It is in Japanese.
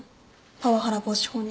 パワハラ防止法に。